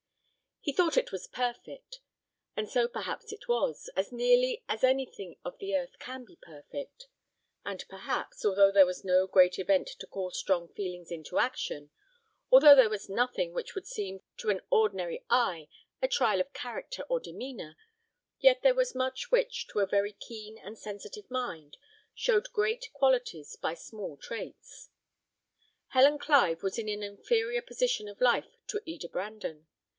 He thought it was perfect; and so perhaps it was, as nearly as anything of the earth can be perfect; and perhaps, although there was no great event to call strong feelings into action, although there was nothing which would seem to an ordinary eye a trial of character or demeanour, yet there was much which, to a very keen and sensitive mind, showed great qualities by small traits. Helen Clive was in an inferior position of life to Eda Brandon.